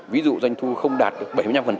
ví dụ doanh thu không đạt được bảy mươi năm